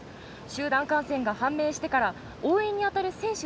集団感染が判明してから応援にあたる選手